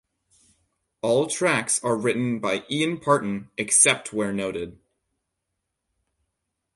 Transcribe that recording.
All tracks are written by Ian Parton except where noted.